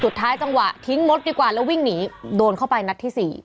จังหวะทิ้งมดดีกว่าแล้ววิ่งหนีโดนเข้าไปนัดที่๔